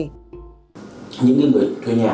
những người thuê nhà